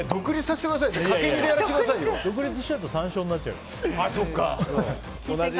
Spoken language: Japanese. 独立しちゃうと３勝になっちゃいますよ。